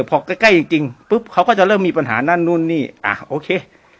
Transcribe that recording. พอใกล้จริงจริงปุ๊บเขาก็จะเริ่มมีปัญหานั่นนู่นนี่อ่ะโอเค